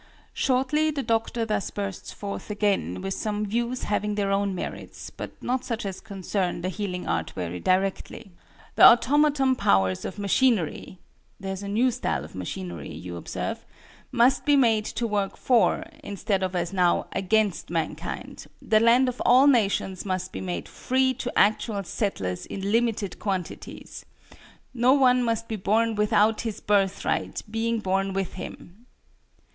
Shortly, the Doctor thus bursts forth again with some views having their own merits, but not such as concern the healing art very directly: "The automaton powers of machinery" there's a new style of machinery, you observe "must be made to WORK FOR, instead of as now, against mankind; the Land of all nations must be made FREE to Actual Settlers in LIMITED quantities. No one must be born without his birthright being born with him."